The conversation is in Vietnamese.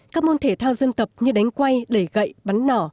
các môn thể thao dân tộc như đánh quay đẩy gậy bắn nỏ